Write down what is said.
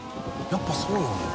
やっぱそうよね。